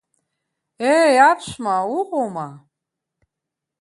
Еи, аԥшәма, уҟоума?